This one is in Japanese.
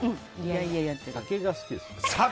酒が好きですね。